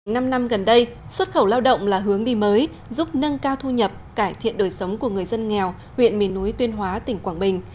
năm năm gần đây xuất khẩu lao động là hướng đi mới giúp nâng cao thu nhập cải thiện đời sống của người dân nghèo huyện miền núi tuyên hóa tỉnh quảng bình